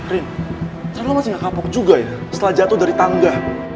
rin ternyata masih gak kapok juga ya setelah jatuh dari tangga